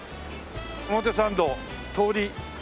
表参道通り。